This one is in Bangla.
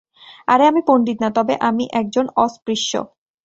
আরে, আমি পন্ডিত না, তবে আমি একজন অস্পৃশ্য!